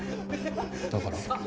だから？